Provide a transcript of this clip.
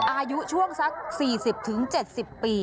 อายุช่วงสัก๔๐๗๐ปี